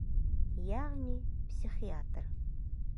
Йәғни психиатр.